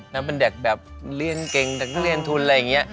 แล้วเป็นเด็กแบบเลี่ยนเกงเลี่ยนทุนอะไรอย่างนี้